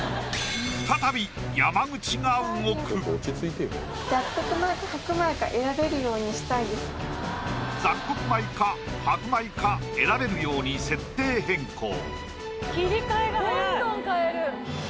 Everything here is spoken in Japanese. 再び山口が動く雑穀米か白米か選べるように設定変更